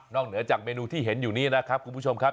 เหนือจากเมนูที่เห็นอยู่นี้นะครับคุณผู้ชมครับ